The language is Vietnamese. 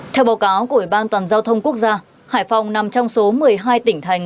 theo báo cáo của ủy ban toàn giao thông quốc gia hải phòng nằm trong số một mươi hai tỉnh thành